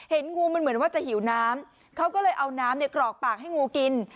งูมันเหมือนว่าจะหิวน้ำเขาก็เลยเอาน้ำกรอกปากให้งูกิน